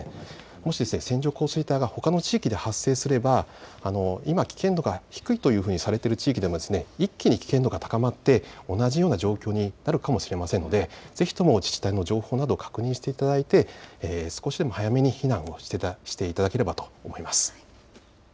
もし線状降水帯がほかの地域で発生すれば今、危険度が低いというふうにされている地域でも一気に危険度が高まって同じような状況になるかもしれませんのでぜひとも自治体の情報など確認していただいて、少しでも早めに避難をしていただければと思います。